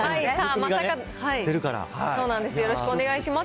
よろしくお願いします。